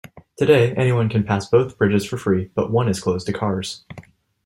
Today, anyone can pass both bridges for free, but one is closed to cars.